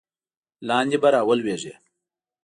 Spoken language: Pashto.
لاندې به را ولویږې.